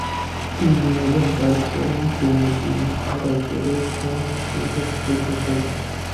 তিনি এবং তার বোন কুমুদিনী ঘোড়ায় চড়ে মঞ্চে উপস্থিত হতেন।